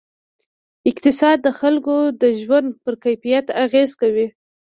اقتصاد د خلکو د ژوند پر کیفیت اغېز کوي.